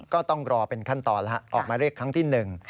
ก็ต้องรอเป็นขั้นตอนแล้วออกมาเรียกครั้งที่หนึ่ง